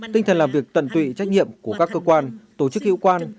tinh thần làm việc tận tụy trách nhiệm của các cơ quan tổ chức hiệu quan